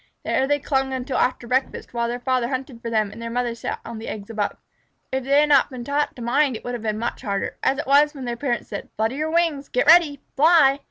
There they clung until after breakfast, while their father hunted for them and their mother sat on the eggs above. If they had not been taught to mind, it would have been much harder. As it was, when their parents said, "Flutter your wings! Get ready! Fly!"